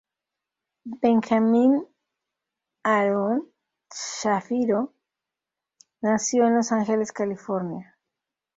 Benjamin Aaron Shapiro nació en Los Ángeles, California.